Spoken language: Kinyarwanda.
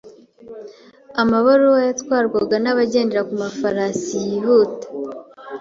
Amabaruwa yatwarwaga nabagendera kumafarasi yihuta.